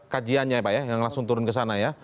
kajiannya ya pak yang langsung turun kesana ya